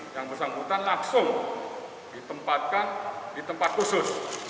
yang bersangkutan langsung ditempatkan di tempat khusus